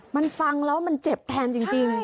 มันฟังแล้วมันเจ็บแทนจริง